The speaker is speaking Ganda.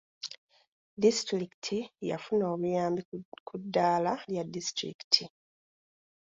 Disitulikiti yafuna obuyambi ku ddaala lya disitulikiti.